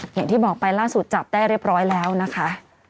อย่างที่บอกไปล่าสุดจับได้เรียบร้อยแล้วนะคะ